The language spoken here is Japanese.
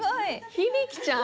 響ちゃん？